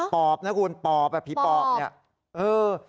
ปอบนะคุณปอบอ่ะผีปอบเนี่ยเออ